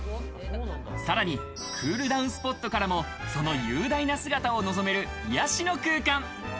さらにクールダウンスポットからもその雄大な姿を望める、癒やしの空間。